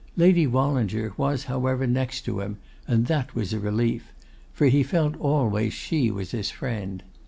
Lady Wallinger was however next to him, and that was a relief; for he felt always she was his friend.